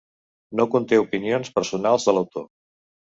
No conté opinions personals de l'autor.